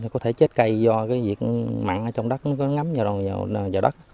có thể chết cây do cái việc mặn ở trong đất nó ngắm vào đất